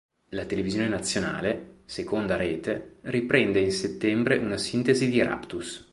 La televisione nazionale, seconda rete, riprende in settembre una sintesi di "Raptus".